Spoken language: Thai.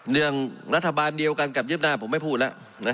เรื่องรัฐบาลเดียวกันกับเยืบหน้าผมไม่พูดแล้ว